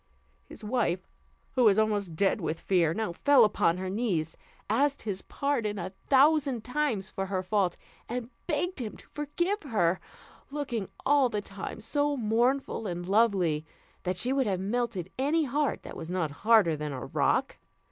His wife, who was almost dead with fear, now fell upon her knees, asked his pardon a thousand times for her fault, and begged him to forgive her, looking all the time so very mournful and lovely, that she would have melted any heart that was not harder than a rock.